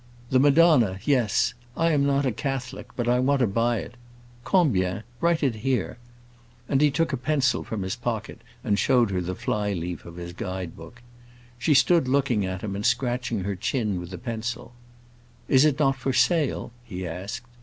"The Madonna, yes; I am not a Catholic, but I want to buy it. Combien? Write it here." And he took a pencil from his pocket and showed her the fly leaf of his guide book. She stood looking at him and scratching her chin with the pencil. "Is it not for sale?" he asked.